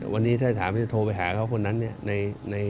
วันนี้ถ้าถามจะโทรไปหาเขาคนนั้นเนี่ย